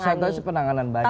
terponsentrasi penanganan banjir